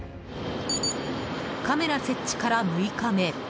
カメラ設置から６日目。